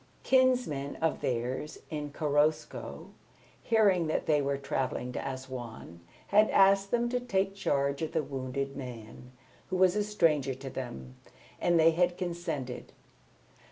Kinsmen of theirs in Korosko, hearing that they were travelling to Assouan, had asked them to take charge of the wounded man, who was a stranger to them, and they had consented.